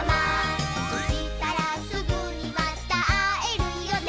「そしたらすぐにまたあえるよね」